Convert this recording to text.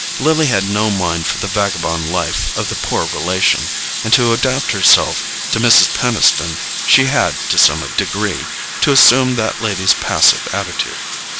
Lily had no mind for the vagabond life of the poor relation, and to adapt herself to Mrs. Peniston she had, to some degree, to assume that lady's passive attitude.